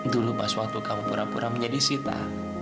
dulu pas waktu kamu pura pura menjadi sita